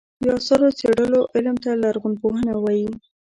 د اثارو څېړلو علم ته لرغونپوهنه وایې.